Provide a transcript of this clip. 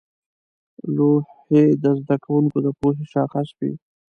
لوحې د زده کوونکو د پوهې شاخص وې.